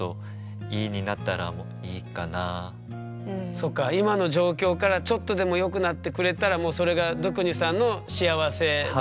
そっか今の状況からちょっとでもよくなってくれたらもうそれがドゥクニさんの幸せだし。